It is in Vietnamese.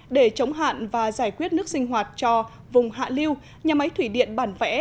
để chống hạn và giải quyết nước sinh hoạt cho vùng hạ liêu nhà máy thủy điện bản vẽ